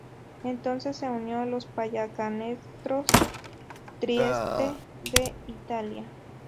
Entonces se unió a los Pallacanestro Trieste de Italia.